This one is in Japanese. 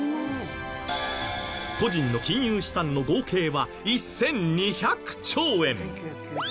個人の金融資産の合計は１２００兆円！